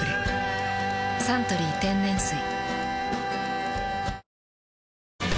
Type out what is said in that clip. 「サントリー天然水」